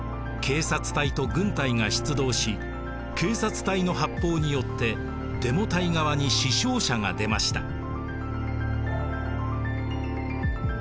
警察隊と軍隊が出動し警察隊の発砲によってデモ隊側に死傷者が出ました。